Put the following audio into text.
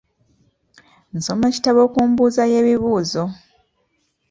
Nsoma kitabo ku mbuuza y'ebibuuzo.